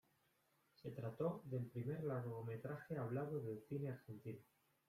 Se trató del primer largometraje hablado del cine argentino.